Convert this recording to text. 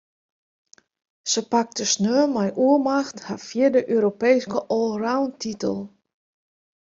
Se pakte snein mei oermacht har fjirde Europeeske allroundtitel.